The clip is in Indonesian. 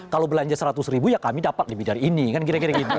kalau belanja seratus ribu ya kami dapat lebih dari ini kan kira kira gitu